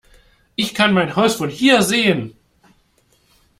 Ich kann mein Haus von hier sehen!